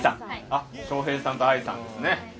翔平さんと愛さんですね。